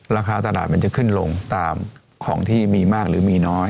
ราคาตลาดมันจะขึ้นลงตามของที่มีมากหรือมีน้อย